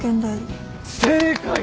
正解！